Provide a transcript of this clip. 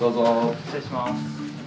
失礼します。